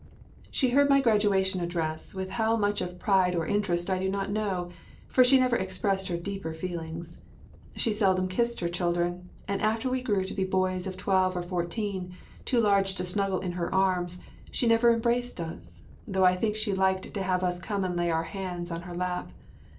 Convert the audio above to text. She heard my graduation address with how much of pride or interest I do not know, for she never expressed her deeper feelings. She seldom kissed her children, and after we grew to be boys of twelve or fourteen, too large to snuggle in her arms, she never embraced us, though I think she liked to have us come and lay our heads in her lap.